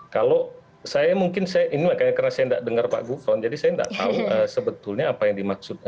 kalau saya mungkin ini karena saya tidak dengar pak gufran jadi saya tidak tahu sebetulnya apa yang dimaksud